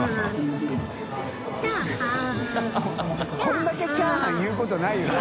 海譴世「チャーハン」言うことないよね。